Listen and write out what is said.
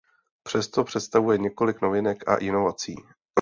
Přesto představuje několik novinek a inovací.